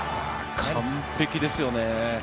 完璧ですよね。